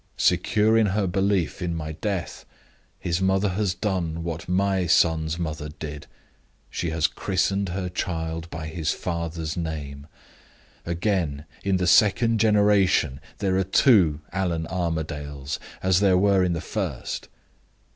Secure in her belief in my death, his mother has done what my son's mother did: she has christened her child by his father's name. Again, in the second generation, there are two Allan Armadales as there were in the first.